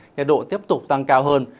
nhiệt độ tiếp tục tăng cao hơn